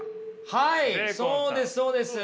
はいそうですそうです。